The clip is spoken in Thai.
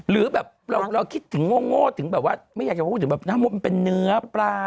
หรือแบบเราคิดถึงโง่ถึงแบบว่าไม่อยากจะพูดถึงแบบน้ำมดมันเป็นเนื้อปลา